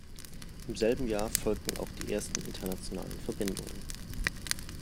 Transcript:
Im selben Jahr folgten auch die ersten internationalen Verbindungen.